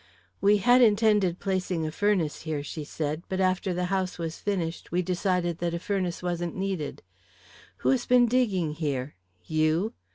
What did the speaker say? "We had intended placing a furnace here," she said, "but after the house was finished, we decided that a furnace wasn't needed. Who has been digging here? You?"